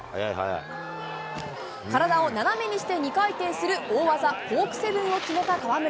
体を斜めにして２回転する大技、コークセブンを決めた川村。